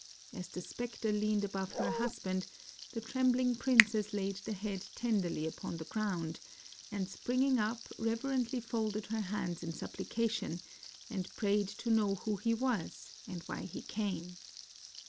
As the specter leaned above her husband, the trembling prin cess laid the head tenderly upon the ground, and spring ing up reverently folded her hands in supplication, and prayed to know who he was and why he came.